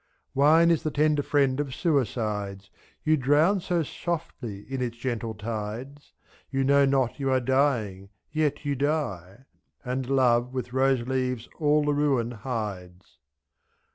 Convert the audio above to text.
Wine is the tender friend of suicides. You drown so softly in its gentle tides ; Z^.You know not you are dying, yet you die; And love with rose leaves all the ruin hides.